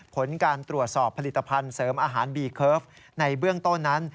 ผลการตรวจสอบผลิตภัณฑ์เสริมอาหารบีเคิร์ฟในเบื้องต้นนั้น